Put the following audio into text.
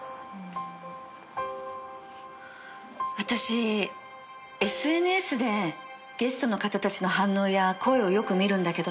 私ＳＮＳでゲストの方たちの反応や声をよく見るんだけどね。